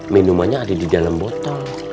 minumannya ada di dalam botol